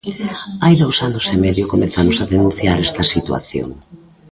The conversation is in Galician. Hai dous anos e medio comezamos a denunciar esta situación.